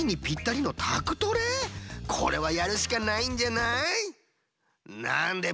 これはやるしかないんじゃない？